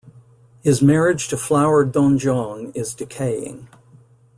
His marriage to Flower Dongeon is decaying.